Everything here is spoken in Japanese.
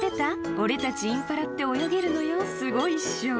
俺たちインパラって泳げるのよすごいっしょ」